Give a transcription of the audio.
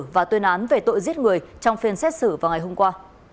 và tuyên án về tội giết người trong phiên xét xử vào ngày hôm qua